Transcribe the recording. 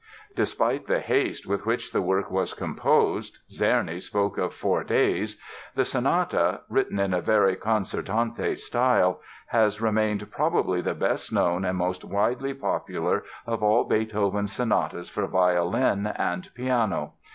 Despite the haste with which the work was composed (Czerny spoke of "four days"), the sonata, "written in a very concertante style," has remained probably the best known and most widely popular of all Beethoven's sonatas for violin and piano.